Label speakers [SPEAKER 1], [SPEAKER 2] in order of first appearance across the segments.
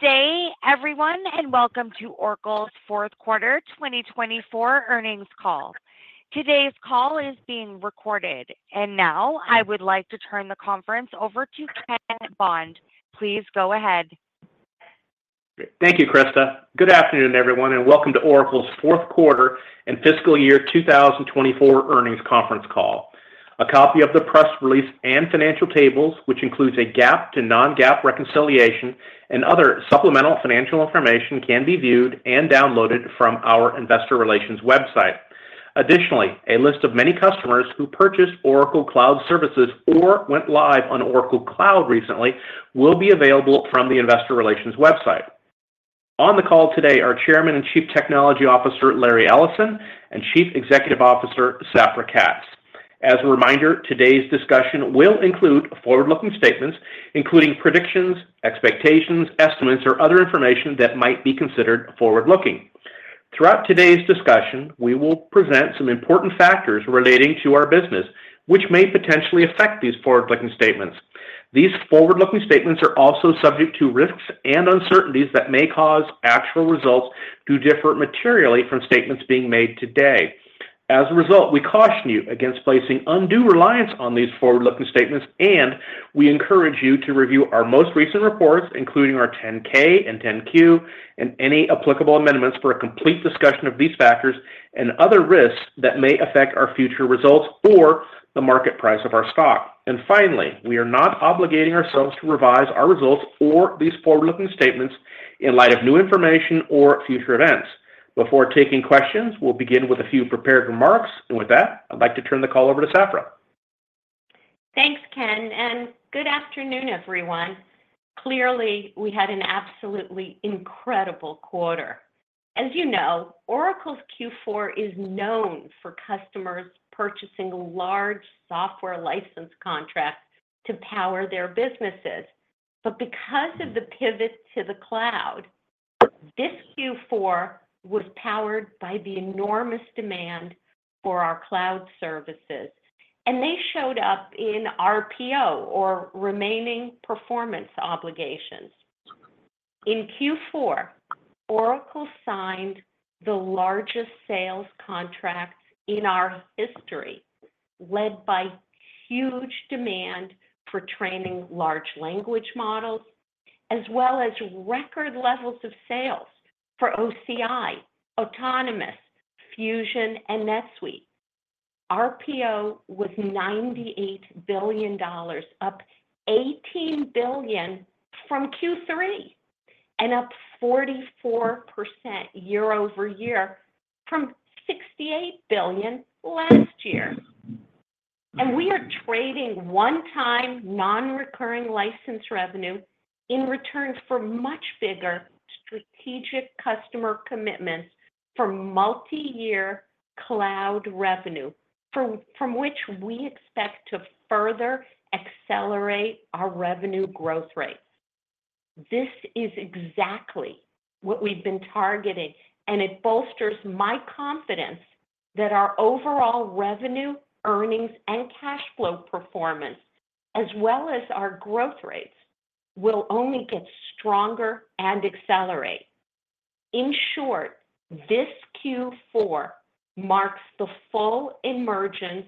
[SPEAKER 1] Good day, everyone, and welcome to Oracle's Fourth Quarter 2024 earnings call. Today's call is being recorded, and now I would like to turn the conference over to Ken Bond. Please go ahead.
[SPEAKER 2] Thank you, Krista. Good afternoon, everyone, and welcome to Oracle's Fourth Quarter and Fiscal Year 2024 earnings conference call. A copy of the press release and financial tables, which includes a GAAP to non-GAAP reconciliation and other supplemental financial information, can be viewed and downloaded from our Investor Relations website. Additionally, a list of many customers who purchased Oracle Cloud services or went live on Oracle Cloud recently will be available from the Investor Relations website. On the call today are Chairman and Chief Technology Officer Larry Ellison and Chief Executive Officer Safra Catz. As a reminder, today's discussion will include forward-looking statements, including predictions, expectations, estimates, or other information that might be considered forward-looking. Throughout today's discussion, we will present some important factors relating to our business, which may potentially affect these forward-looking statements. These forward-looking statements are also subject to risks and uncertainties that may cause actual results to differ materially from statements being made today. As a result, we caution you against placing undue reliance on these forward-looking statements, and we encourage you to review our most recent reports, including our 10-K and 10-Q, and any applicable amendments for a complete discussion of these factors and other risks that may affect our future results or the market price of our stock. And finally, we are not obligating ourselves to revise our results or these forward-looking statements in light of new information or future events. Before taking questions, we'll begin with a few prepared remarks, and with that, I'd like to turn the call over to Safra.
[SPEAKER 3] Thanks, Ken, and good afternoon, everyone. Clearly, we had an absolutely incredible quarter. As you know, Oracle's Q4 is known for customers purchasing large software license contracts to power their businesses. But because of the pivot to the cloud, this Q4 was powered by the enormous demand for our cloud services, and they showed up in RPO, or Remaining Performance Obligations. In Q4, Oracle signed the largest sales contract in our history, led by huge demand for training large language models, as well as record levels of sales for OCI, Autonomous, Fusion, and NetSuite. RPO was $98 billion, up $18 billion from Q3, and up 44% year-over-year from $68 billion last year. We are trading one-time non-recurring license revenue in return for much bigger strategic customer commitments for multi-year cloud revenue, from which we expect to further accelerate our revenue growth rate. This is exactly what we've been targeting, and it bolsters my confidence that our overall revenue, earnings, and cash flow performance, as well as our growth rates, will only get stronger and accelerate. In short, this Q4 marks the full emergence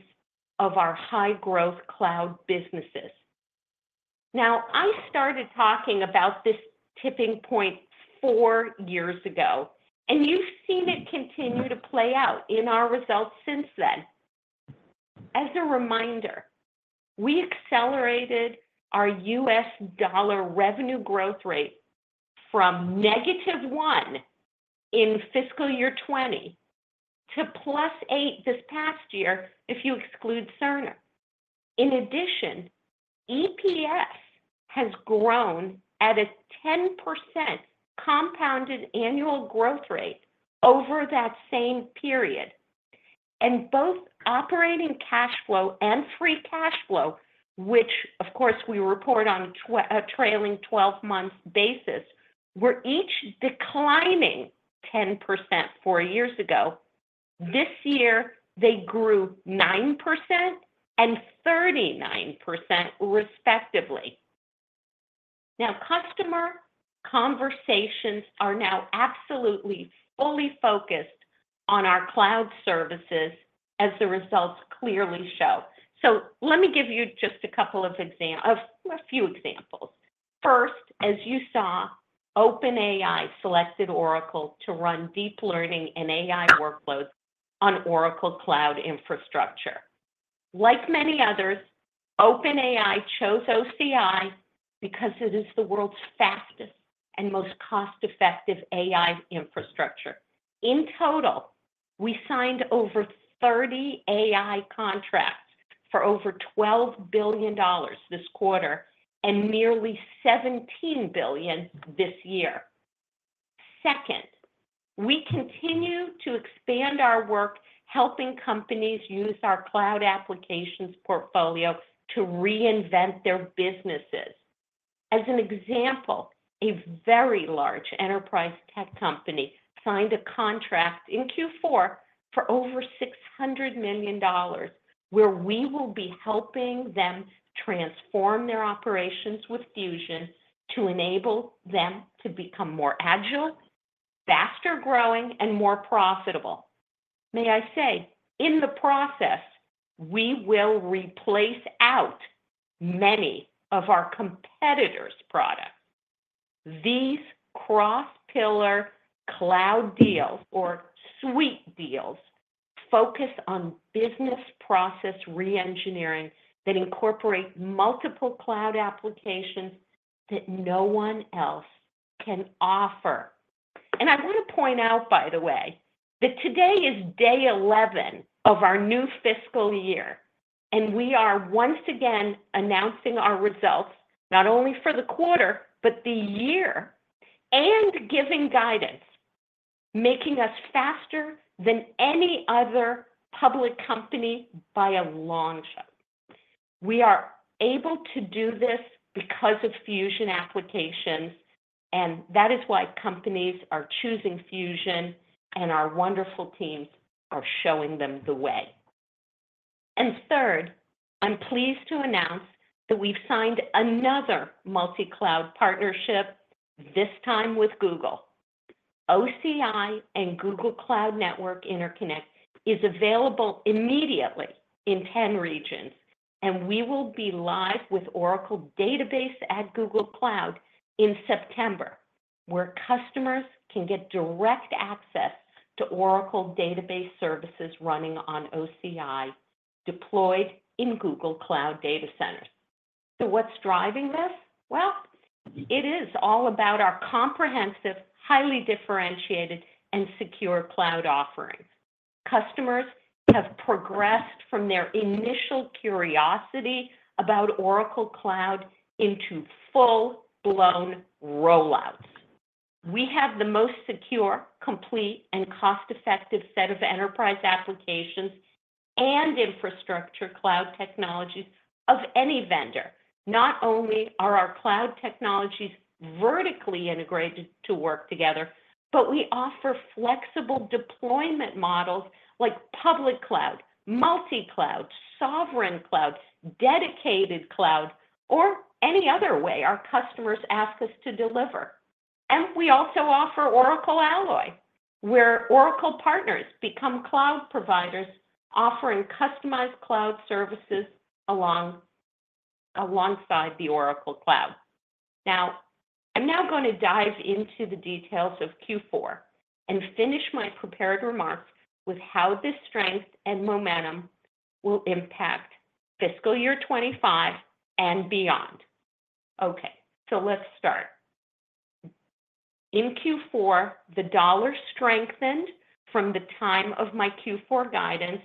[SPEAKER 3] of our high-growth cloud businesses. Now, I started talking about this tipping point four years ago, and you've seen it continue to play out in our results since then. As a reminder, we accelerated our U.S. dollar revenue growth rate from -1% in Fiscal Year 2020 to +8% this past year if you exclude Cerner. In addition, EPS has grown at a 10% compounded annual growth rate over that same period. Both operating cash flow and free cash flow, which, of course, we report on a trailing 12-month basis, were each declining 10% four years ago. This year, they grew 9% and 39%, respectively. Now, customer conversations are now absolutely fully focused on our cloud services, as the results clearly show. So let me give you just a couple of examples. First, as you saw, OpenAI selected Oracle to run deep learning and AI workloads on Oracle Cloud Infrastructure. Like many others, OpenAI chose OCI because it is the world's fastest and most cost-effective AI infrastructure. In total, we signed over 30 AI contracts for over $12 billion this quarter and nearly $17 billion this year. Second, we continue to expand our work, helping companies use our cloud applications portfolio to reinvent their businesses. As an example, a very large enterprise tech company signed a contract in Q4 for over $600 million, where we will be helping them transform their operations with Fusion to enable them to become more agile, faster growing, and more profitable. May I say, in the process, we will replace out many of our competitors' products. These cross-pillar cloud deals, or suite deals, focus on business process re-engineering that incorporate multiple cloud applications that no one else can offer. And I want to point out, by the way, that today is day 11 of our new fiscal year, and we are once again announcing our results not only for the quarter but the year and giving guidance, making us faster than any other public company by a long shot. We are able to do this because of Fusion applications, and that is why companies are choosing Fusion, and our wonderful teams are showing them the way. And third, I'm pleased to announce that we've signed another multi-cloud partnership, this time with Google. OCI and Google Cloud Network Interconnect is available immediately in 10 regions, and we will be live with Oracle Database at Google Cloud in September, where customers can get direct access to Oracle Database services running on OCI deployed in Google Cloud data centers. So what's driving this? Well, it is all about our comprehensive, highly differentiated, and secure cloud offering. Customers have progressed from their initial curiosity about Oracle Cloud into full-blown rollouts. We have the most secure, complete, and cost-effective set of enterprise applications and infrastructure cloud technologies of any vendor. Not only are our cloud technologies vertically integrated to work together, but we offer flexible deployment models like public cloud, multi-cloud, sovereign cloud, dedicated cloud, or any other way our customers ask us to deliver. And we also offer Oracle Alloy, where Oracle partners become cloud providers, offering customized cloud services alongside the Oracle Cloud. Now, I'm going to dive into the details of Q4 and finish my prepared remarks with how this strength and momentum will impact Fiscal Year 2025 and beyond. Okay, so let's start. In Q4, the dollar strengthened from the time of my Q4 guidance,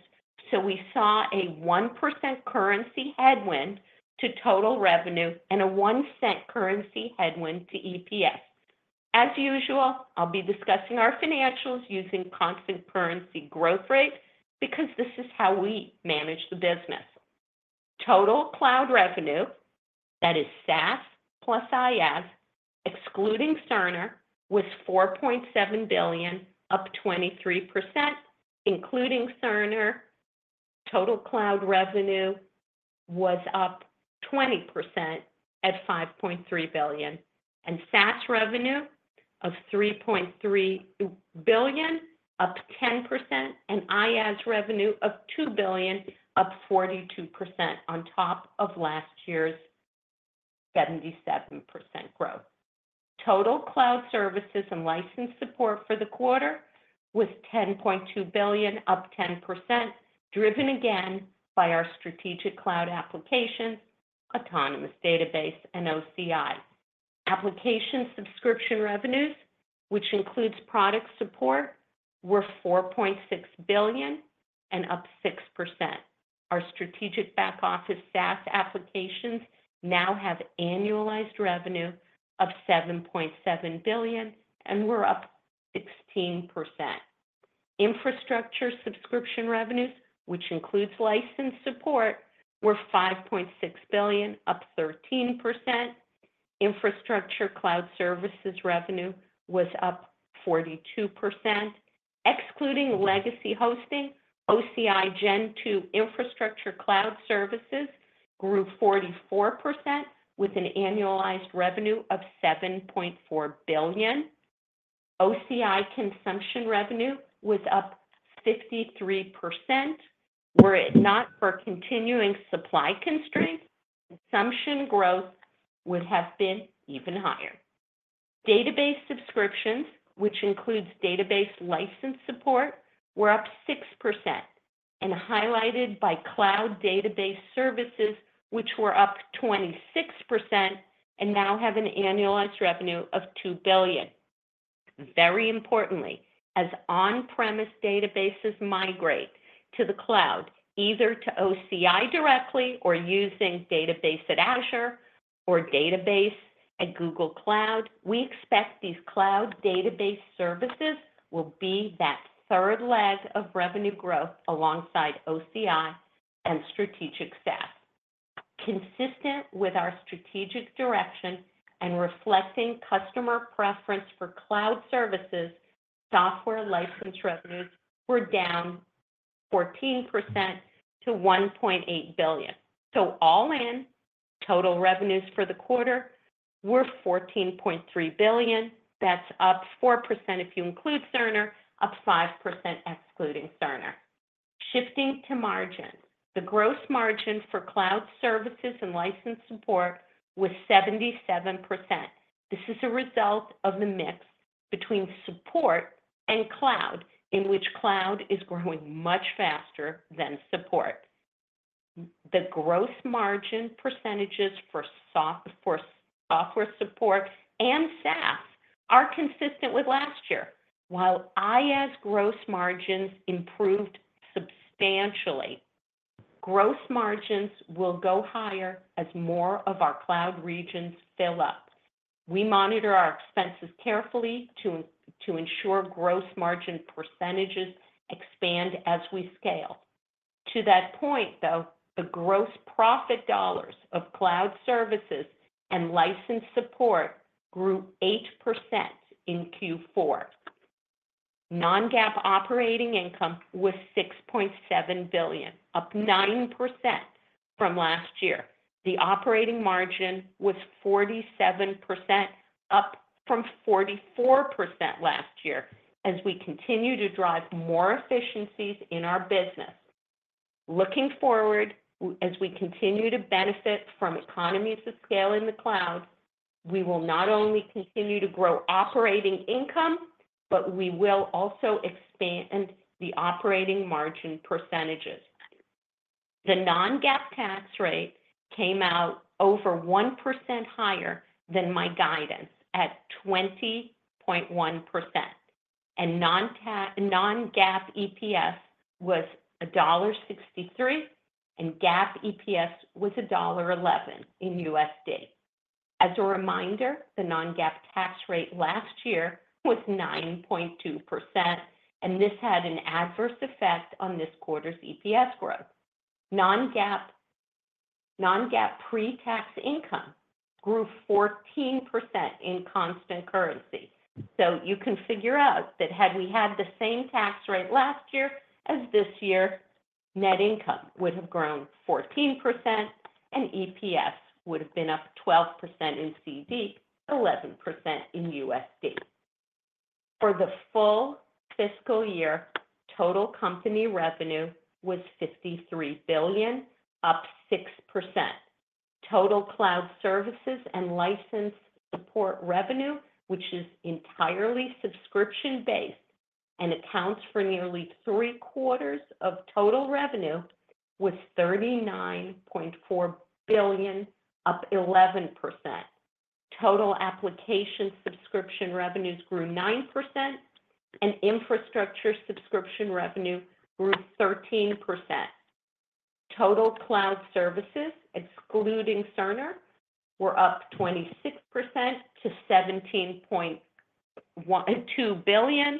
[SPEAKER 3] so we saw a 1% currency headwind to total revenue and a $0.01 currency headwind to EPS. As usual, I'll be discussing our financials using constant currency growth rate because this is how we manage the business. Total cloud revenue, that is SaaS plus IaaS, excluding Cerner, was $4.7 billion, up 23%. Including Cerner, total cloud revenue was up 20% at $5.3 billion, and SaaS revenue of $3.3 billion, up 10%, and IaaS revenue of $2 billion, up 42% on top of last year's 77% growth. Total cloud services and license support for the quarter was $10.2 billion, up 10%, driven again by our strategic cloud applications, Autonomous Database, and OCI. Application subscription revenues, which includes product support, were $4.6 billion, up 6%. Our strategic back office SaaS applications now have annualized revenue of $7.7 billion, and we're up 16%. Infrastructure subscription revenues, which includes license support, were $5.6 billion, up 13%. Infrastructure cloud services revenue was up 42%. Excluding legacy hosting, OCI Gen 2 Infrastructure Cloud Services grew 44%, with an annualized revenue of $7.4 billion. OCI consumption revenue was up 53%. Were it not for continuing supply constraints, consumption growth would have been even higher. Database subscriptions, which includes database license support, were up 6% and highlighted by cloud database services, which were up 26% and now have an annualized revenue of $2 billion. Very importantly, as on-premise databases migrate to the cloud, either to OCI directly or using Database at Azure or Database at Google Cloud, we expect these cloud database services will be that third leg of revenue growth alongside OCI and strategic SaaS. Consistent with our strategic direction and reflecting customer preference for cloud services, software license revenues were down 14% to $1.8 billion. So all in, total revenues for the quarter were $14.3 billion. That's up 4% if you include Cerner, up 5% excluding Cerner. Shifting to margins, the gross margin for cloud services and license support was 77%. This is a result of the mix between support and cloud, in which cloud is growing much faster than support. The gross margin percentages for software support and SaaS are consistent with last year, while IaaS gross margins improved substantially. Gross margins will go higher as more of our cloud regions fill up. We monitor our expenses carefully to ensure gross margin percentages expand as we scale. To that point, though, the gross profit dollars of cloud services and license support grew 8% in Q4. Non-GAAP operating income was $6.7 billion, up 9% from last year. The operating margin was 47%, up from 44% last year, as we continue to drive more efficiencies in our business. Looking forward, as we continue to benefit from economies of scale in the cloud, we will not only continue to grow operating income, but we will also expand the operating margin percentages. The non-GAAP tax rate came out over 1% higher than my guidance at 20.1%. non-GAAP EPS was $1.63, and GAAP EPS was $1.11 in U.S.D. As a reminder, the non-GAAP tax rate last year was 9.2%, and this had an adverse effect on this quarter's EPS growth. Non-GAAP pre-tax income grew 14% in constant currency. So you can figure out that had we had the same tax rate last year as this year, net income would have grown 14%, and EPS would have been up 12% in CC, 11% in U.S.D. For the full fiscal year, total company revenue was $53 billion, up 6%. Total cloud services and license support revenue, which is entirely subscription-based and accounts for nearly three quarters of total revenue, was $39.4 billion, up 11%. Total application subscription revenues grew 9%, and infrastructure subscription revenue grew 13%. Total cloud services, excluding Cerner, were up 26% to $17.2 billion.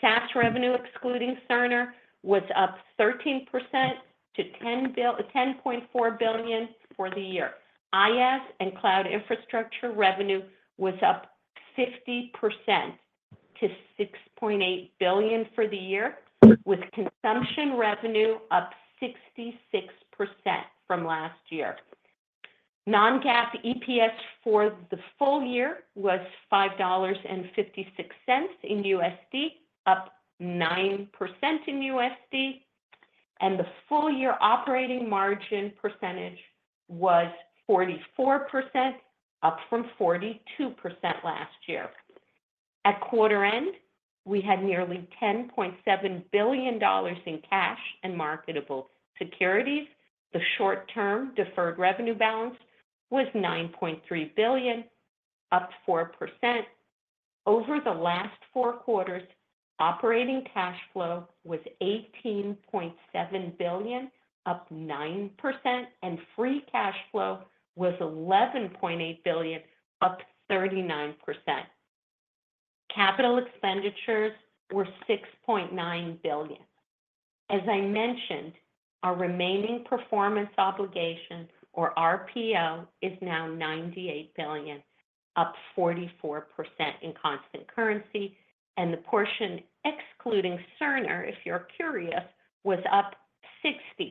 [SPEAKER 3] SaaS revenue, excluding Cerner, was up 13% to $10.4 billion for the year. IaaS and cloud infrastructure revenue was up 50% to $6.8 billion for the year, with consumption revenue up 66% from last year. Non-GAAP EPS for the full year was $5.56 U.S.D, up 9% U.S.D, and the full year operating margin percentage was 44%, up from 42% last year. At quarter end, we had nearly $10.7 billion in cash and marketable securities. The short-term deferred revenue balance was $9.3 billion, up 4%. Over the last four quarters, operating cash flow was $18.7 billion, up 9%, and free cash flow was $11.8 billion, up 39%. Capital expenditures were $6.9 billion. As I mentioned, our remaining performance obligation, or RPO, is now $98 billion, up 44% in constant currency, and the portion excluding Cerner, if you're curious, was up 60%.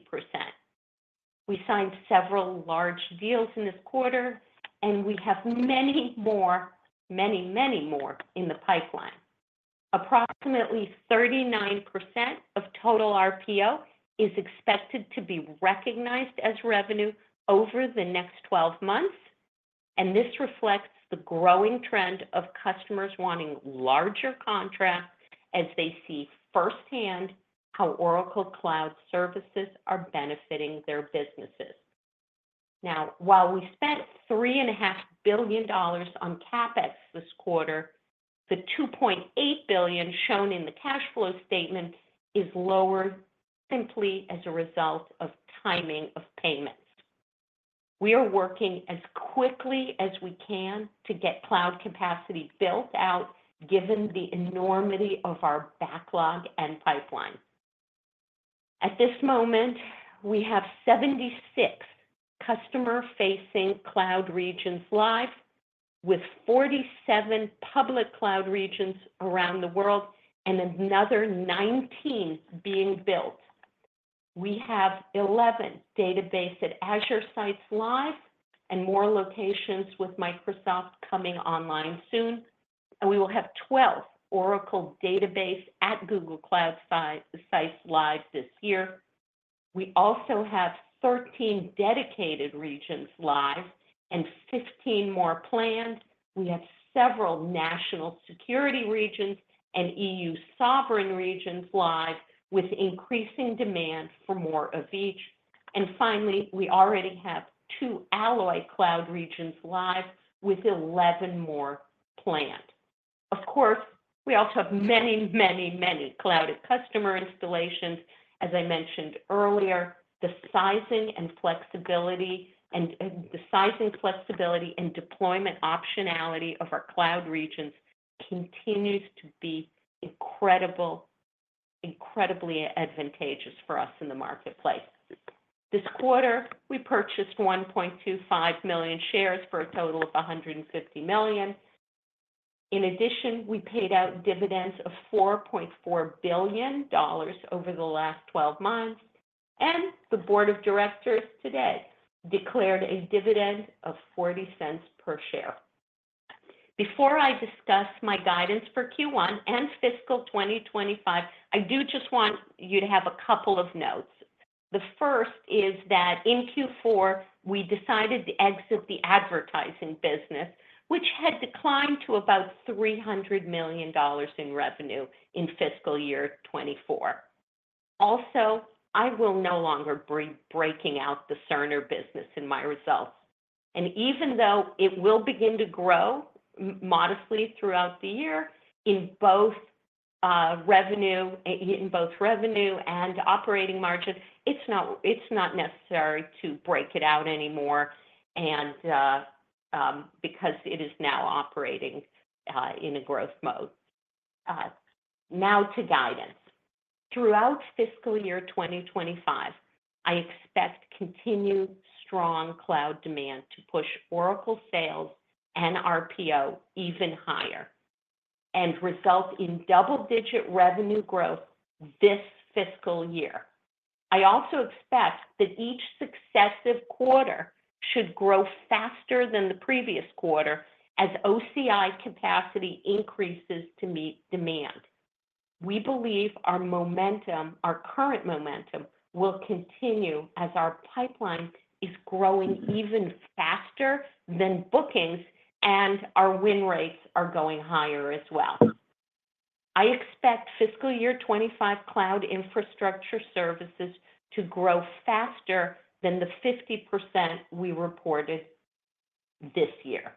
[SPEAKER 3] We signed several large deals in this quarter, and we have many more, many, many more in the pipeline. Approximately 39% of total RPO is expected to be recognized as revenue over the next 12 months, and this reflects the growing trend of customers wanting larger contracts as they see firsthand how Oracle Cloud Services are benefiting their businesses. Now, while we spent $3.5 billion on CapEx this quarter, the $2.8 billion shown in the cash flow statement is lower simply as a result of timing of payments. We are working as quickly as we can to get cloud capacity built out, given the enormity of our backlog and pipeline. At this moment, we have 76 customer-facing cloud regions live, with 47 public cloud regions around the world and another 19 being built. We have 11 Database at Azure sites live and more locations with Microsoft coming online soon, and we will have 12 Oracle Database at Google Cloud sites live this year. We also have 13 dedicated regions live and 15 more planned. We have several national security regions and EU sovereign regions live, with increasing demand for more of each. Finally, we already have 2 Alloy Cloud regions live with 11 more planned. Of course, we also have many, many, many Cloud@Customer installations. As I mentioned earlier, the sizing and flexibility and the sizing flexibility and deployment optionality of our cloud regions continues to be incredibly advantageous for us in the marketplace. This quarter, we purchased 1.25 million shares for a total of $150 million. In addition, we paid out dividends of $4.4 billion over the last 12 months, and the board of directors today declared a dividend of $0.40 per share. Before I discuss my guidance for Q1 and fiscal 2025, I do just want you to have a couple of notes. The first is that in Q4, we decided to exit the advertising business, which had declined to about $300 million in revenue in fiscal year 2024. Also, I will no longer be breaking out the Cerner business in my results. Even though it will begin to grow modestly throughout the year in both revenue and operating margin, it's not necessary to break it out anymore because it is now operating in a growth mode. Now to guidance. Throughout fiscal year 2025, I expect continued strong cloud demand to push Oracle sales and RPO even higher and result in double-digit revenue growth this fiscal year. I also expect that each successive quarter should grow faster than the previous quarter as OCI capacity increases to meet demand. We believe our current momentum will continue as our pipeline is growing even faster than bookings, and our win rates are going higher as well. I expect fiscal year 2025 cloud infrastructure services to grow faster than the 50% we reported this year.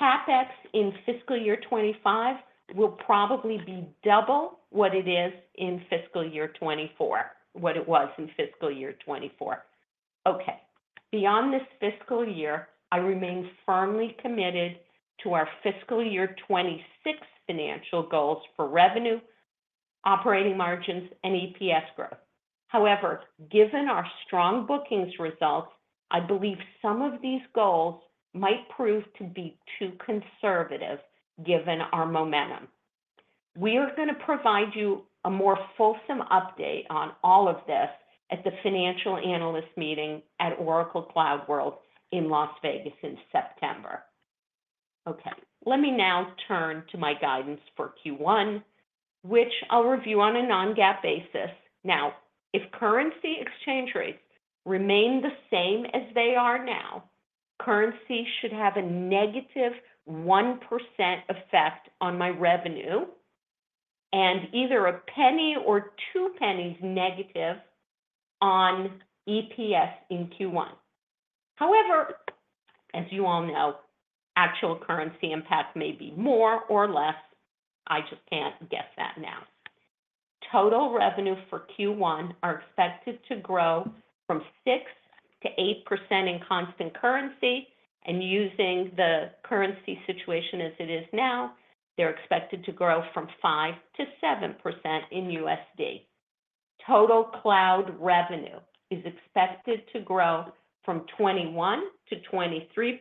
[SPEAKER 3] CapEx in fiscal year 2025 will probably be double what it is in fiscal year 2024, what it was in fiscal year 2024. Okay. Beyond this fiscal year, I remain firmly committed to our fiscal year 2026 financial goals for revenue, operating margins, and EPS growth. However, given our strong bookings results, I believe some of these goals might prove to be too conservative given our momentum. We are going to provide you a more fulsome update on all of this at the financial analyst meeting at Oracle CloudWorld in Las Vegas in September. Okay. Let me now turn to my guidance for Q1, which I'll review on a Non-GAAP basis. Now, if currency exchange rates remain the same as they are now, currency should have a negative 1% effect on my revenue and either a penny or two pennies negative on EPS in Q1. However, as you all know, actual currency impact may be more or less. I just can't guess that now. Total revenue for Q1 are expected to grow 6% to 8% in constant currency, and using the currency situation as it is now, they're expected to grow 5% to 7% in USD. Total cloud revenue is expected to grow 21% to 23%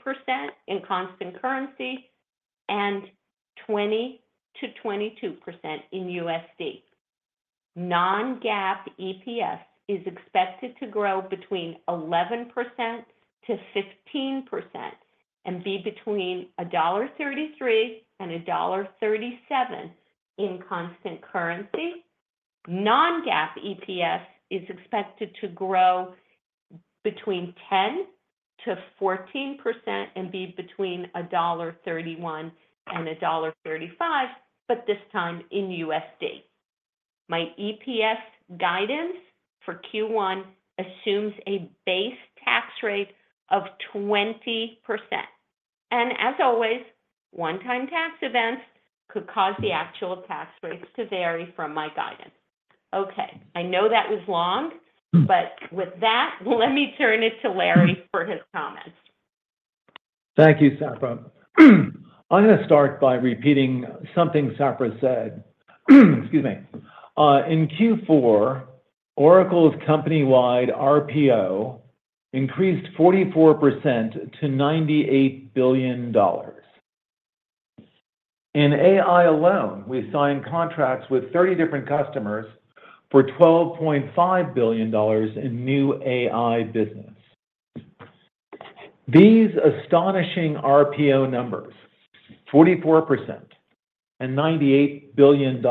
[SPEAKER 3] in constant currency and 20% to 22% in USD. Non-GAAP EPS is expected to grow between 11% to 15% and be between $1.33 and $1.37 in constant currency. Non-GAAP EPS is expected to grow between 10% to 14% and be between $1.31 and $1.35, but this time in USD. My EPS guidance for Q1 assumes a base tax rate of 20%. As always, one-time tax events could cause the actual tax rates to vary from my guidance. Okay. I know that was long, but with that, let me turn it to Larry for his comments.
[SPEAKER 4] Thank you, Safra. I'm going to start by repeating something Safra said. Excuse me. In Q4, Oracle's company-wide RPO increased 44% to $98 billion. In AI alone, we signed contracts with 30 different customers for $12.5 billion in new AI business. These astonishing RPO numbers, 44% and $98 billion,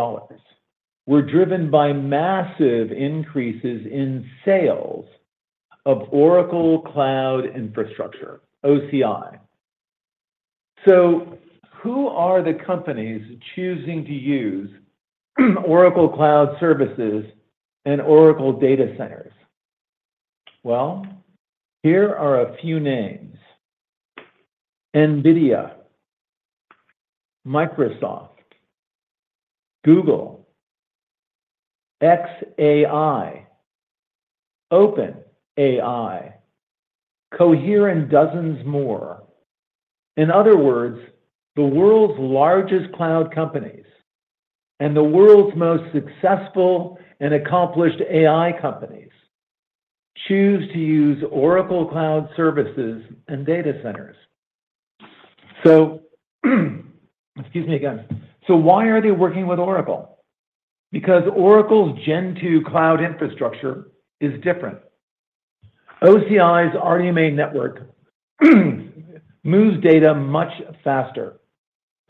[SPEAKER 4] were driven by massive increases in sales of Oracle Cloud Infrastructure, OCI. So who are the companies choosing to use Oracle Cloud Services and Oracle Data Centers? Well, here are a few names: NVIDIA, Microsoft, Google, xAI, OpenAI, Cohere, and dozens more. In other words, the world's largest cloud companies and the world's most successful and accomplished AI companies choose to use Oracle Cloud Services and Data Centers. So excuse me again. So why are they working with Oracle? Because Oracle's Gen 2 Cloud Infrastructure is different. OCI's RDMA network moves data much faster,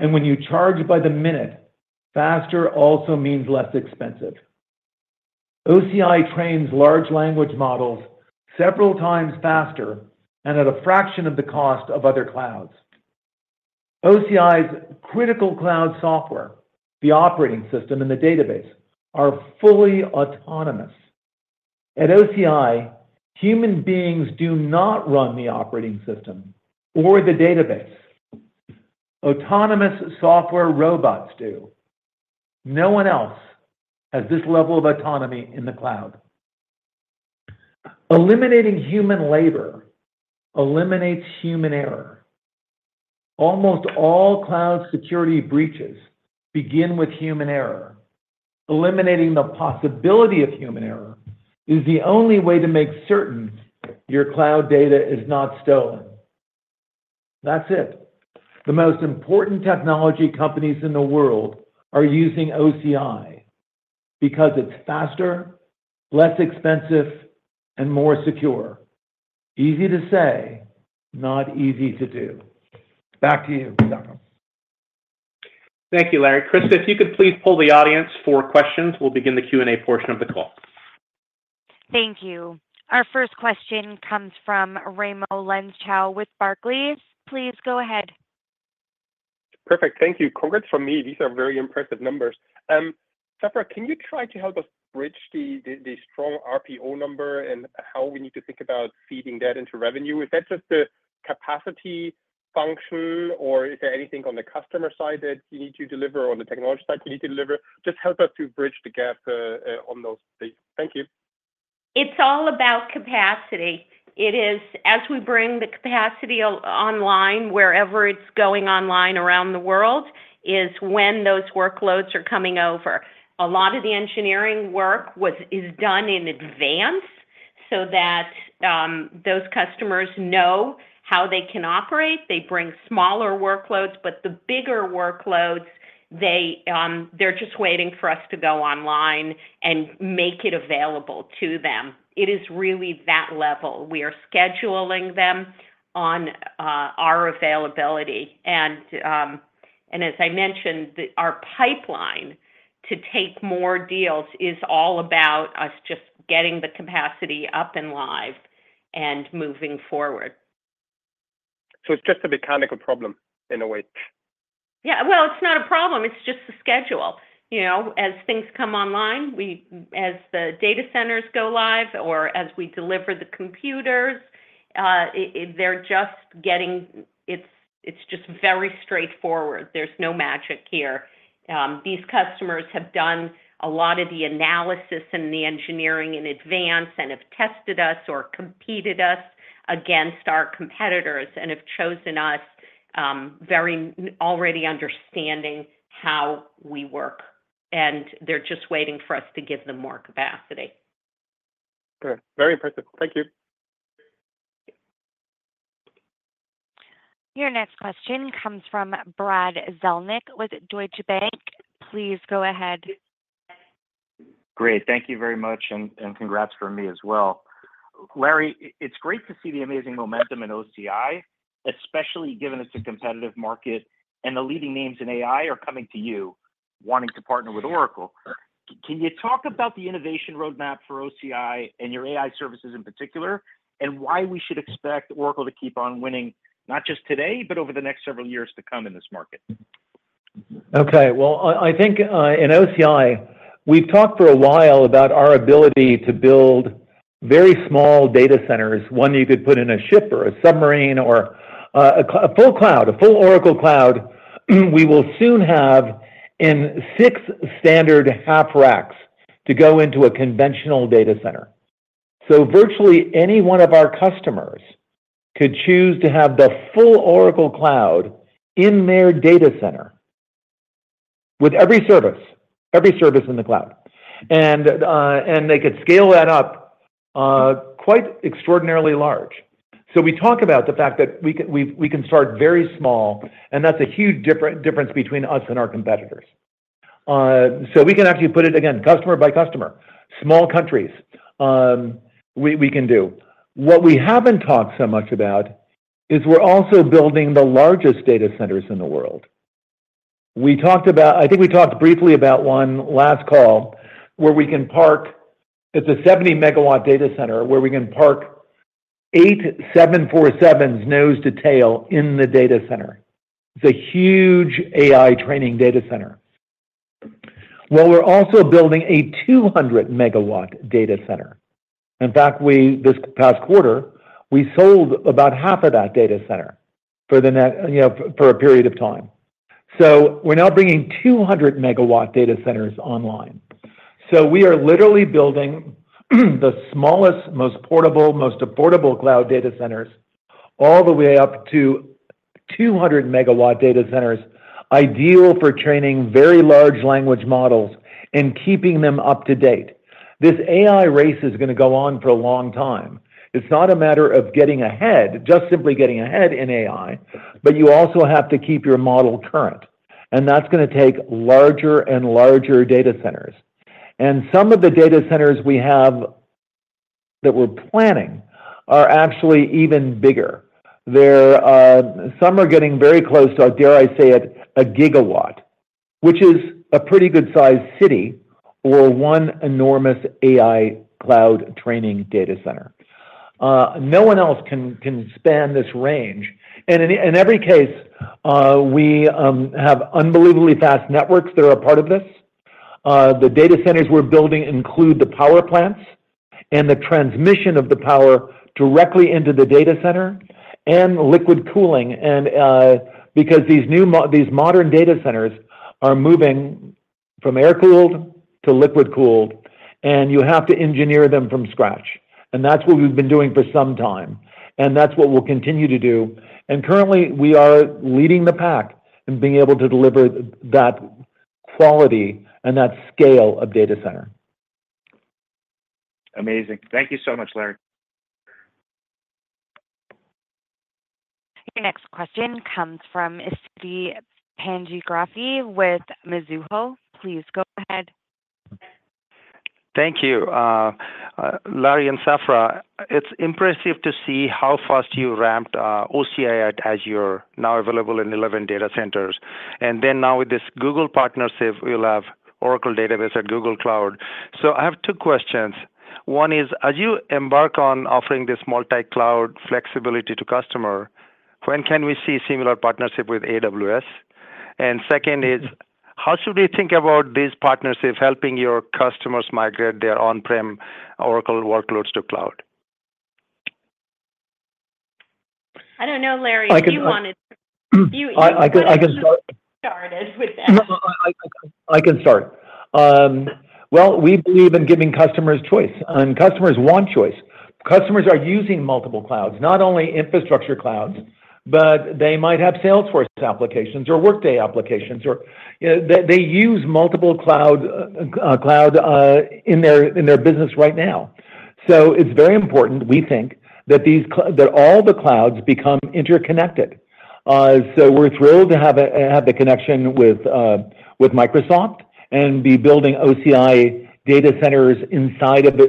[SPEAKER 4] and when you charge by the minute, faster also means less expensive. OCI trains large language models several times faster and at a fraction of the cost of other clouds. OCI's critical cloud software, the operating system and the database, are fully autonomous. At OCI, human beings do not run the operating system or the database. Autonomous software robots do. No one else has this level of autonomy in the cloud. Eliminating human labor eliminates human error. Almost all cloud security breaches begin with human error. Eliminating the possibility of human error is the only way to make certain your cloud data is not stolen. That's it. The most important technology companies in the world are using OCI because it's faster, less expensive, and more secure. Easy to say, not easy to do. Back to you, Safra.
[SPEAKER 2] Thank you, Larry. Kris, if you could please pull the audience for questions, we'll begin the Q&A portion of the call.
[SPEAKER 1] Thank you. Our first question comes from Raimo Lenschow with Barclays. Please go ahead.
[SPEAKER 5] Perfect. Thank you. Congrats from me. These are very impressive numbers. Safra, can you try to help us bridge the strong RPO number and how we need to think about feeding that into revenue? Is that just a capacity function, or is there anything on the customer side that you need to deliver or on the technology side you need to deliver? Just help us to bridge the gap on those things. Thank you.
[SPEAKER 3] It's all about capacity. It is, as we bring the capacity online, wherever it's going online around the world, is when those workloads are coming over. A lot of the engineering work is done in advance so that those customers know how they can operate. They bring smaller workloads, but the bigger workloads, they're just waiting for us to go online and make it available to them. It is really that level. We are scheduling them on our availability. As I mentioned, our pipeline to take more deals is all about us just getting the capacity up and live and moving forward.
[SPEAKER 5] It's just a mechanical problem in a way.
[SPEAKER 3] Yeah. Well, it's not a problem. It's just the schedule. As things come online, as the data centers go live or as we deliver the computers, they're just getting. It's just very straightforward. There's no magic here. These customers have done a lot of the analysis and the engineering in advance and have tested us or competed us against our competitors and have chosen us, already understanding how we work. And they're just waiting for us to give them more capacity.
[SPEAKER 5] Very impressive. Thank you.
[SPEAKER 1] Your next question comes from Brad Zelnick with Deutsche Bank. Please go ahead.
[SPEAKER 6] Great. Thank you very much, and congrats from me as well. Larry, it's great to see the amazing momentum in OCI, especially given it's a competitive market and the leading names in AI are coming to you wanting to partner with Oracle. Can you talk about the innovation roadmap for OCI and your AI services in particular, and why we should expect Oracle to keep on winning, not just today, but over the next several years to come in this market?
[SPEAKER 4] Okay. Well, I think in OCI, we've talked for a while about our ability to build very small data centers, one you could put in a ship or a submarine or a full cloud, a full Oracle Cloud. We will soon have 6 standard half racks to go into a conventional data center. So virtually any one of our customers could choose to have the full Oracle Cloud in their data center with every service, every service in the cloud. And they could scale that up quite extraordinarily large. So we talk about the fact that we can start very small, and that's a huge difference between us and our competitors. So we can actually put it, again, customer by customer, small countries we can do. What we haven't talked so much about is we're also building the largest data centers in the world. I think we talked briefly about one last call where we can park. It's a 70MW data center where we can park 8 747s nose to tail in the data center. It's a huge AI training data center. Well, we're also building a 200MW data center. In fact, this past quarter, we sold about half of that data center for a period of time. So we're now bringing 200MW data centers online. So we are literally building the smallest, most portable, most affordable cloud data centers all the way up to 200MW data centers, ideal for training very large language models and keeping them up to date. This AI race is going to go on for a long time. It's not a matter of getting ahead, just simply getting ahead in AI, but you also have to keep your model current. That's going to take larger and larger data centers. Some of the data centers we have that we're planning are actually even bigger. Some are getting very close to, dare I say it, a gigawatt, which is a pretty good-sized city or one enormous AI cloud training data center. No one else can span this range. In every case, we have unbelievably fast networks that are a part of this. The data centers we're building include the power plants and the transmission of the power directly into the data center and liquid cooling. Because these modern data centers are moving from air-cooled to liquid-cooled, and you have to engineer them from scratch. That's what we've been doing for some time. That's what we'll continue to do. Currently, we are leading the pack in being able to deliver that quality and that scale of data center.
[SPEAKER 6] Amazing. Thank you so much, Larry.
[SPEAKER 1] Your next question comes from Sitikantha Panigrahi with Mizuho. Please go ahead.
[SPEAKER 7] Thank you. Larry and Safra, it's impressive to see how fast you ramped OCI as you're now available in 11 data centers. And then now with this Google partnership, you'll have Oracle Database at Google Cloud. So I have two questions. One is, as you embark on offering this multi-cloud flexibility to customers, when can we see similar partnership with AWS? And second is, how should we think about this partnership helping your customers migrate their on-prem Oracle workloads to cloud?
[SPEAKER 3] I don't know, Larry. You wanted to.
[SPEAKER 4] I can start.
[SPEAKER 3] You started with that.
[SPEAKER 4] No, I can start. Well, we believe in giving customers choice. Customers want choice. Customers are using multiple clouds, not only infrastructure clouds, but they might have Salesforce applications or Workday applications. They use multiple clouds in their business right now. It's very important, we think, that all the clouds become interconnected. We're thrilled to have the connection with Microsoft and be building OCI data centers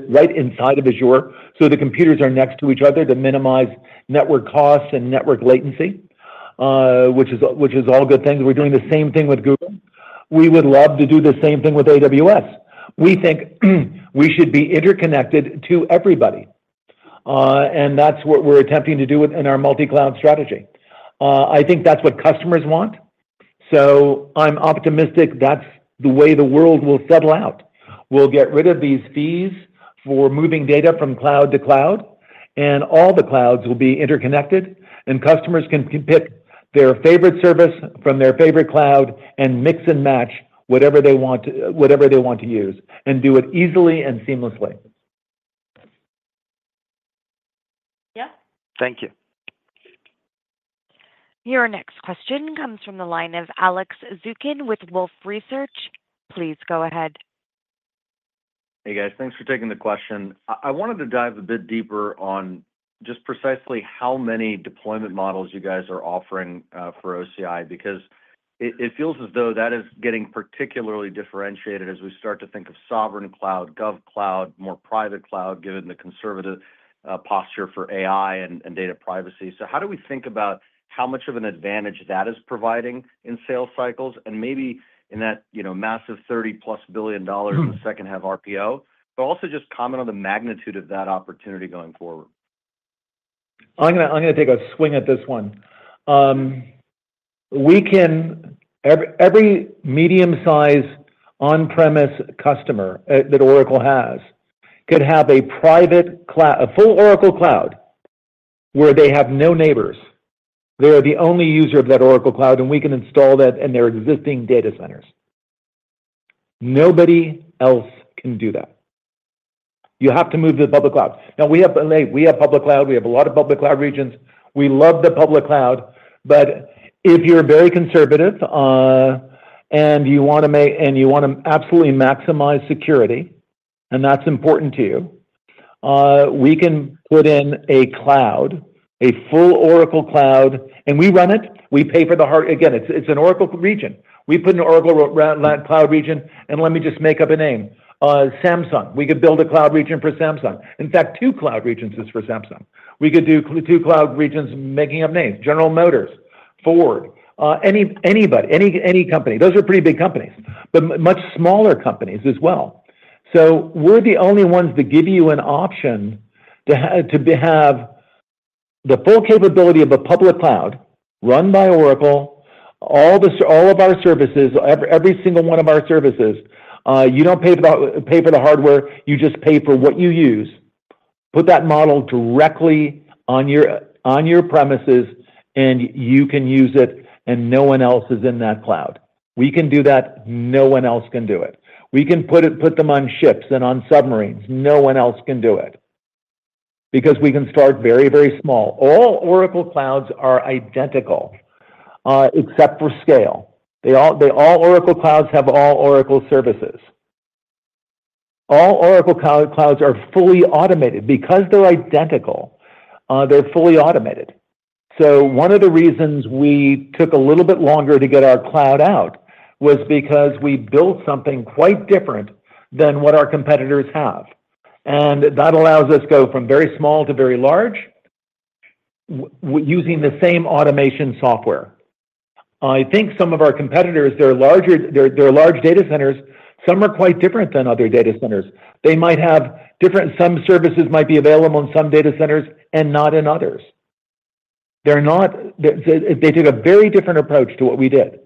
[SPEAKER 4] right inside of Azure so the computers are next to each other to minimize network costs and network latency, which is all good things. We're doing the same thing with Google. We would love to do the same thing with AWS. We think we should be interconnected to everybody. That's what we're attempting to do in our multi-cloud strategy. I think that's what customers want. I'm optimistic that's the way the world will settle out. We'll get rid of these fees for moving data from cloud to cloud, and all the clouds will be interconnected, and customers can pick their favorite service from their favorite cloud and mix and match whatever they want to use and do it easily and seamlessly.
[SPEAKER 3] Yep.
[SPEAKER 7] Thank you.
[SPEAKER 1] Your next question comes from the line of Alex Zukin with Wolfe Research. Please go ahead.
[SPEAKER 8] Hey, guys. Thanks for taking the question. I wanted to dive a bit deeper on just precisely how many deployment models you guys are offering for OCI because it feels as though that is getting particularly differentiated as we start to think of sovereign cloud, gov cloud, more private cloud, given the conservative posture for AI and data privacy. So how do we think about how much of an advantage that is providing in sales cycles and maybe in that massive $30+ billion in the second-half RPO? But also just comment on the magnitude of that opportunity going forward.
[SPEAKER 4] I'm going to take a swing at this one. Every medium-sized on-premise customer that Oracle has could have a full Oracle Cloud where they have no neighbors. They are the only user of that Oracle Cloud, and we can install that in their existing data centers. Nobody else can do that. You have to move to the public cloud. Now, we have public cloud. We have a lot of public cloud regions. We love the public cloud. But if you're very conservative and you want to absolutely maximize security, and that's important to you, we can put in a cloud, a full Oracle Cloud, and we run it. We pay for the hardware. Again, it's an Oracle region. We put in an Oracle Cloud region, and let me just make up a name. Samsung. We could build a cloud region for Samsung. In fact, two cloud regions just for Samsung. We could do two cloud regions, making up names. General Motors, Ford, anybody, any company. Those are pretty big companies, but much smaller companies as well. So we're the only ones that give you an option to have the full capability of a public cloud run by Oracle, all of our services, every single one of our services. You don't pay for the hardware. You just pay for what you use. Put that model directly on your premises, and you can use it, and no one else is in that cloud. We can do that. No one else can do it. We can put them on ships and on submarines. No one else can do it because we can start very, very small. All Oracle Clouds are identical except for scale. All Oracle Clouds have all Oracle services. All Oracle Clouds are fully automated. Because they're identical, they're fully automated. So one of the reasons we took a little bit longer to get our cloud out was because we built something quite different than what our competitors have. And that allows us to go from very small to very large using the same automation software. I think some of our competitors, their large data centers, some are quite different than other data centers. They might have different some services might be available in some data centers and not in others. They took a very different approach to what we did.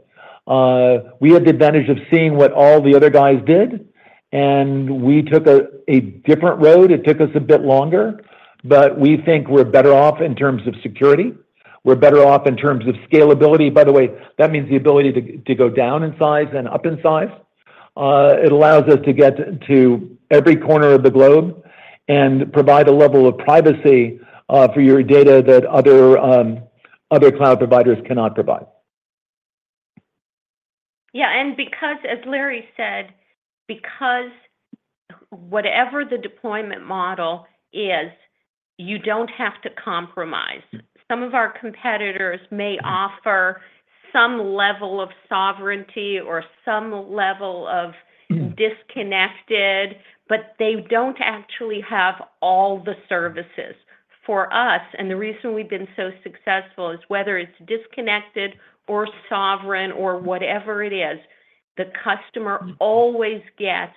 [SPEAKER 4] We had the advantage of seeing what all the other guys did, and we took a different road. It took us a bit longer, but we think we're better off in terms of security. We're better off in terms of scalability. By the way, that means the ability to go down in size and up in size. It allows us to get to every corner of the globe and provide a level of privacy for your data that other cloud providers cannot provide.
[SPEAKER 3] Yeah. As Larry said, because whatever the deployment model is, you don't have to compromise. Some of our competitors may offer some level of sovereignty or some level of disconnected, but they don't actually have all the services. For us, and the reason we've been so successful is whether it's disconnected or sovereign or whatever it is, the customer always gets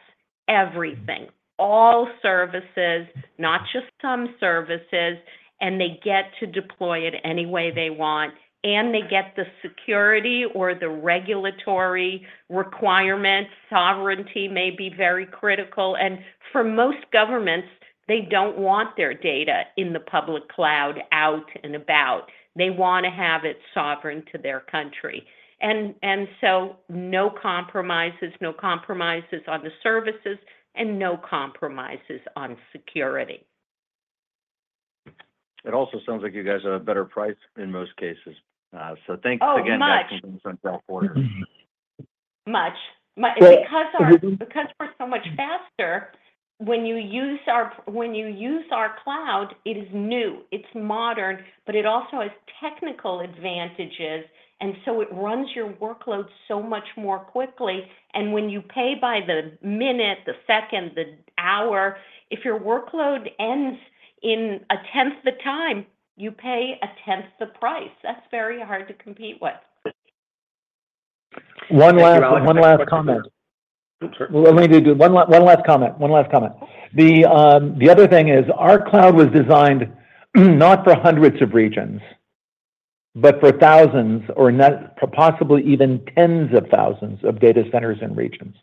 [SPEAKER 3] everything, all services, not just some services, and they get to deploy it any way they want. They get the security or the regulatory requirements. Sovereignty may be very critical. For most governments, they don't want their data in the public cloud out and about. They want to have it sovereign to their country. So no compromises, no compromises on the services, and no compromises on security.
[SPEAKER 8] It also sounds like you guys have a better price in most cases. So thanks again to us from Dallas-Fort Worth.
[SPEAKER 3] Much. Because we're so much faster, when you use our cloud, it is new. It's modern, but it also has technical advantages. And so it runs your workload so much more quickly. And when you pay by the minute, the second, the hour, if your workload ends in a tenth the time, you pay a tenth the price. That's very hard to compete with.
[SPEAKER 4] One last comment. Let me do one last comment. One last comment. The other thing is our cloud was designed not for hundreds of regions, but for thousands or possibly even tens of thousands of data centers and regions.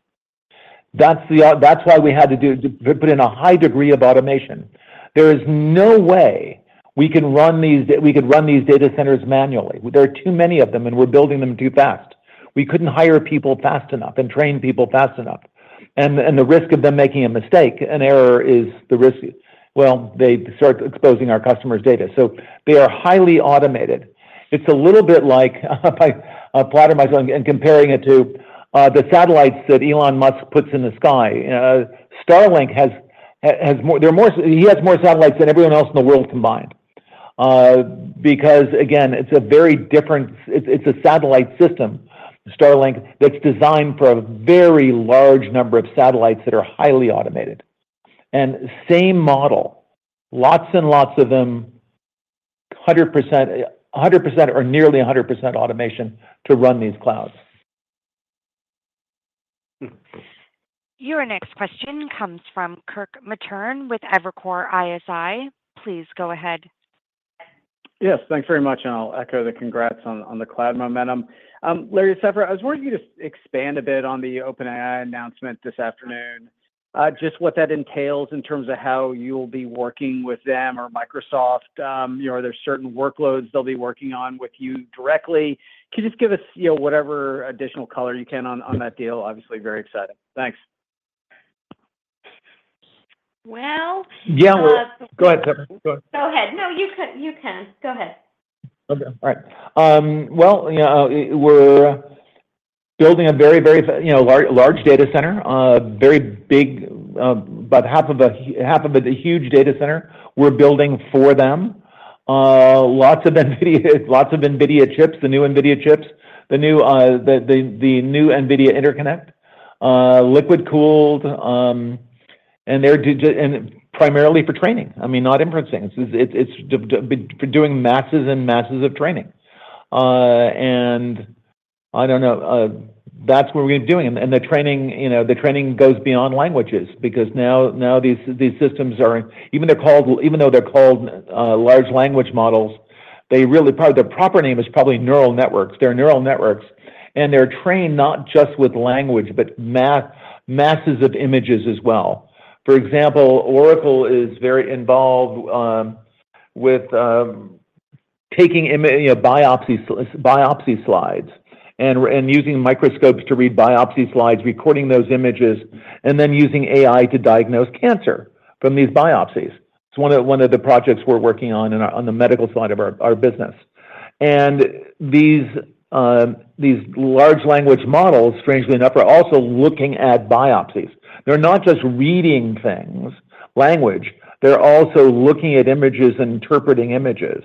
[SPEAKER 4] That's why we had to put in a high degree of automation. There is no way we could run these data centers manually. There are too many of them, and we're building them too fast. We couldn't hire people fast enough and train people fast enough. And the risk of them making a mistake, an error, is the risk, well, they start exposing our customers' data. So they are highly automated. It's a little bit like I applaud myself in comparing it to the satellites that Elon Musk puts in the sky. Starlink, he has more satellites than everyone else in the world combined because, again, it's a very different satellite system, Starlink, that's designed for a very large number of satellites that are highly automated. And same model, lots and lots of them, 100% or nearly 100% automation to run these clouds.
[SPEAKER 1] Your next question comes from Kirk Materne with Evercore ISI. Please go ahead.
[SPEAKER 9] Yes. Thanks very much. And I'll echo the congrats on the cloud momentum. Larry, Safra, I was wondering if you could just expand a bit on the OpenAI announcement this afternoon, just what that entails in terms of how you'll be working with them or Microsoft. Are there certain workloads they'll be working on with you directly? Can you just give us whatever additional color you can on that deal? Obviously, very exciting. Thanks.
[SPEAKER 3] Well.
[SPEAKER 4] Yeah. Go ahead, Safra. Go ahead.
[SPEAKER 3] Go ahead. No, you can. Go ahead.
[SPEAKER 4] Okay. All right. Well, we're building a very, very large data center, a very big about half of a huge data center we're building for them, lots of NVIDIA chips, the new NVIDIA chips, the new NVIDIA Interconnect, liquid-cooled, and primarily for training. I mean, not inferencing. It's for doing masses and masses of training. And I don't know. That's what we're doing. And the training goes beyond languages because now these systems are even though they're called large language models, their proper name is probably neural networks. They're neural networks. And they're trained not just with language, but masses of images as well. For example, Oracle is very involved with taking biopsy slides and using microscopes to read biopsy slides, recording those images, and then using AI to diagnose cancer from these biopsies. It's one of the projects we're working on on the medical side of our business. And these large language models, strangely enough, are also looking at biopsies. They're not just reading things, language. They're also looking at images and interpreting images.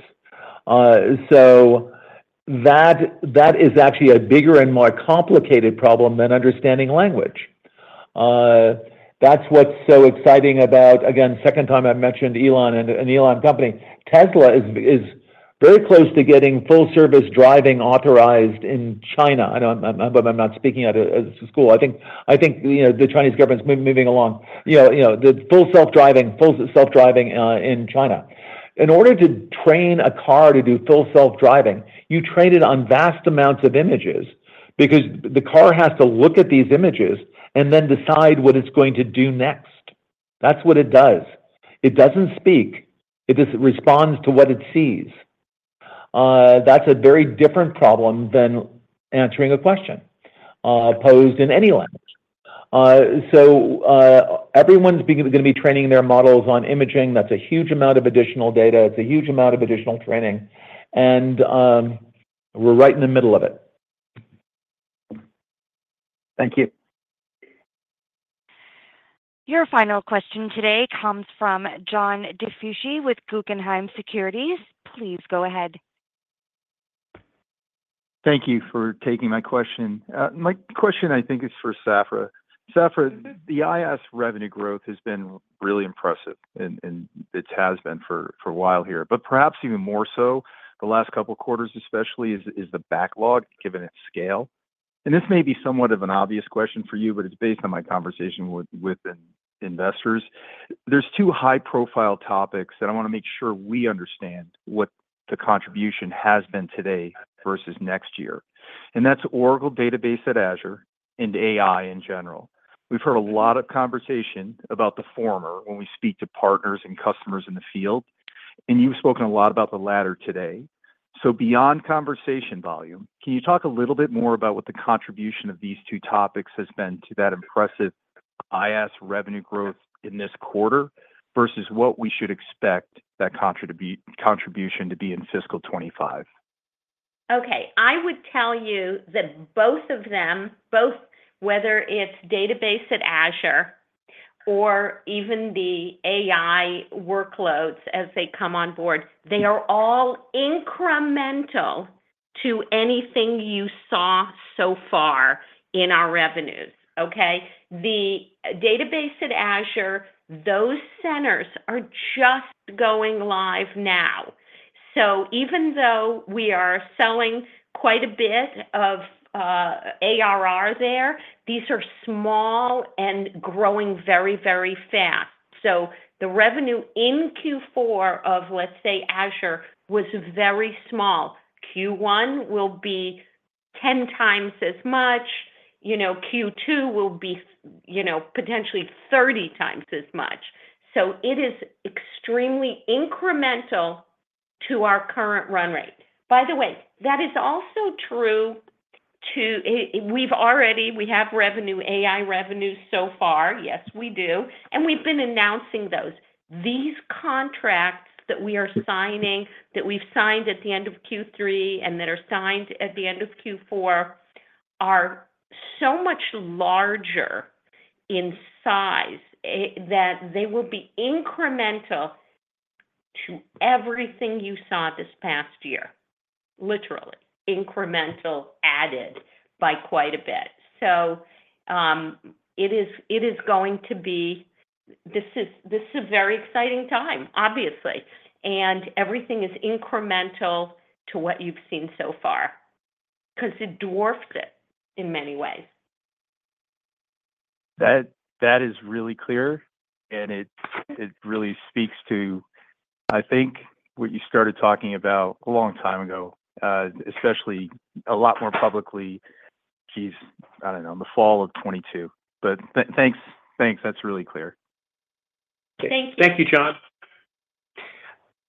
[SPEAKER 4] So that is actually a bigger and more complicated problem than understanding language. That's what's so exciting about, again, second time I've mentioned Elon and Elon company. Tesla is very close to getting Full Self-Driving authorized in China. I'm not speaking out of school. I think the Chinese government's moving along. The Full Self-Driving in China. In order to train a car to do Full Self-Driving, you train it on vast amounts of images because the car has to look at these images and then decide what it's going to do next. That's what it does. It doesn't speak. It responds to what it sees. That's a very different problem than answering a question posed in any language. Everyone's going to be training their models on imaging. That's a huge amount of additional data. It's a huge amount of additional training. We're right in the middle of it.
[SPEAKER 9] Thank you.
[SPEAKER 1] Your final question today comes from John DiFucci with Guggenheim Securities. Please go ahead.
[SPEAKER 10] Thank you for taking my question. My question, I think, is for Safra. Safra, the IaaS revenue growth has been really impressive, and it has been for a while here, but perhaps even more so the last couple of quarters, especially is the backlog given its scale. This may be somewhat of an obvious question for you, but it's based on my conversation with investors. There's 2 high-profile topics that I want to make sure we understand what the contribution has been today versus next year. That's Oracle Database at Azure and AI in general. We've heard a lot of conversation about the former when we speak to partners and customers in the field. You've spoken a lot about the latter today. Beyond conversation volume, can you talk a little bit more about what the contribution of these two topics has been to that impressive IaaS revenue growth in this quarter versus what we should expect that contribution to be in fiscal 2025?
[SPEAKER 3] Okay. I would tell you that both of them, whether it's Database at Azure or even the AI workloads as they come on board, they are all incremental to anything you saw so far in our revenues. Okay? The Database at Azure, those centers are just going live now. So even though we are selling quite a bit of ARR there, these are small and growing very, very fast. So the revenue in Q4 of, let's say, Azure was very small. Q1 will be 10 times as much. Q2 will be potentially 30 times as much. So it is extremely incremental to our current run rate. By the way, that is also true to we have revenue, AI revenue so far. Yes, we do. And we've been announcing those. These contracts that we are signing, that we've signed at the end of Q3 and that are signed at the end of Q4, are so much larger in size that they will be incremental to everything you saw this past year, literally incremental added by quite a bit. So it is going to be this is a very exciting time, obviously. And everything is incremental to what you've seen so far because it dwarfs it in many ways.
[SPEAKER 10] That is really clear. And it really speaks to, I think, what you started talking about a long time ago, especially a lot more publicly. Jeez, I don't know, in the fall of 2022. But thanks. Thanks. That's really clear.
[SPEAKER 3] Thank you.
[SPEAKER 2] Thank you, John.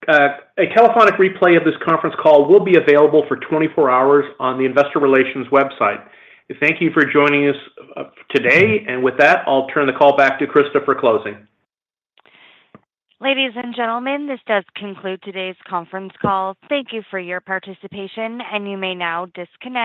[SPEAKER 2] A telephonic replay of this conference call will be available for 24 hours on the Investor Relations website. Thank you for joining us today. With that, I'll turn the call back to Krista for closing.
[SPEAKER 1] Ladies and gentlemen, this does conclude today's conference call. Thank you for your participation. You may now disconnect.